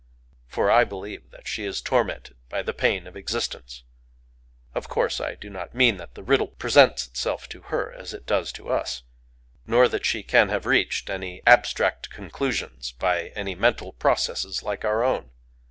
For I believe that she is tormented by the pain of existence. Of course I do not mean that the riddle presents itself to her as it does to us,—nor that she can have reached any abstract conclusions by any mental processes like our own.